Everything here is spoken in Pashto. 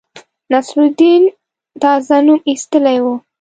نصرالدین تازه نوم ایستلی وو.